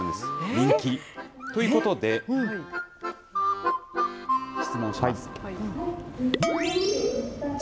人気。ということで質問します。